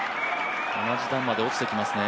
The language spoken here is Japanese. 同じ段まで落ちてきますね。